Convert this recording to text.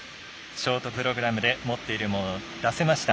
ショートプログラムで持っているものを出せました。